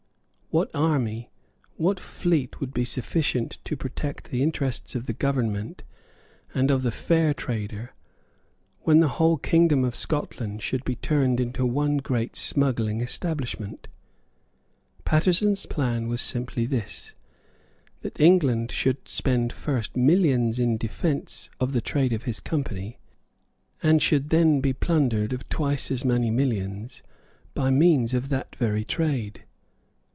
What army, what fleet, would be sufficient to protect the interests of the government and of the fair trader when the whole kingdom of Scotland should be turned into one great smuggling establishment? Paterson's plan was simply this, that England should first spend millions in defence of the trade of his Company, and should then be plundered of twice as many millions by means of that very trade.